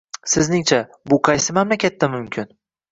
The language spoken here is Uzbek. Sizningcha, bu qaysi mamlakatda mumkin?